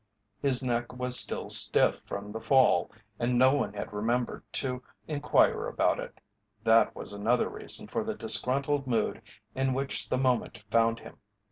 His neck was still stiff from the fall and no one had remembered to inquire about it that was another reason for the disgruntled mood in which the moment found him.